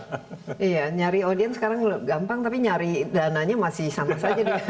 iya nyari audien sekarang gampang tapi nyari dananya masih sama saja dengan